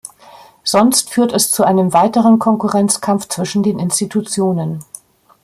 Sonst führt es zu einem weiteren Konkurrenzkampf zwischen den Institutionen.